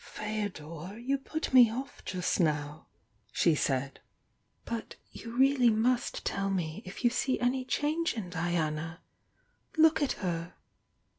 "Ffodor, you put me off just now," she said, "but you really must tell me if you see any change in Diana! Look at her!"